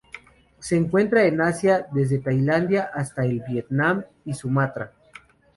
Se encuentra en Asia: desde Tailandia hasta el Vietnam y Sumatra.